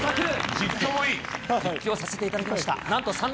実況させていただきました。